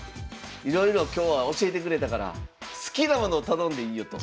いろいろ今日は教えてくれたから好きなものを頼んでいいよ」と。